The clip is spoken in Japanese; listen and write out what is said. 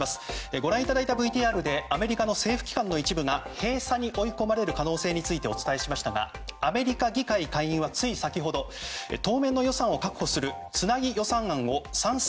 ご覧いただいたＶＴＲの中でアメリカの政府機関の一部が閉鎖に追い込まれる可能性についてお伝えしましたがアメリカ議会下院はつい先ほど当面の予算を確保するつなぎ予算案を賛成